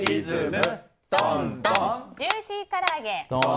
ジューシーからあげ。